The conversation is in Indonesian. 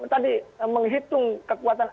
tadi menghitung kekuatan